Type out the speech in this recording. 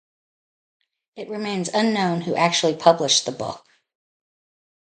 It remains unknown who actually published the book.